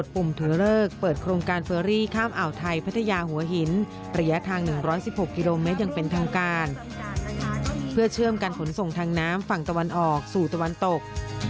เพื่อเชื่อมการขนส่งทางน้ำฝั่งตะวันออกสู่ตะวันตก